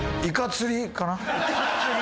イカ釣り？